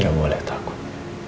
gak boleh takut